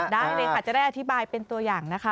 ได้เลยค่ะจะได้อธิบายเป็นตัวอย่างนะคะ